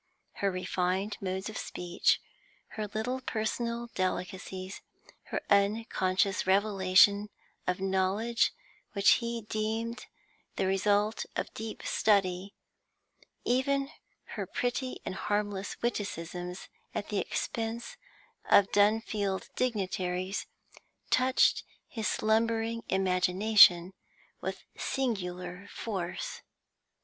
Her refined modes of speech, her little personal delicacies, her unconscious revelation of knowledge which he deemed the result of deep study, even her pretty and harmless witticisms at the expense of Dunfield dignitaries, touched his slumbering imagination with singular force.